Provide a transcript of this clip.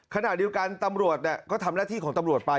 ขณะเดียวกันตำรวจก็ทำหน้าที่ของตำรวจไป